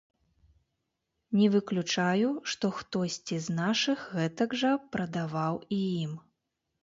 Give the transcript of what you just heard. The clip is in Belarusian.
Не выключаю, што хтосьці з нашых гэтак жа прадаваў і ім.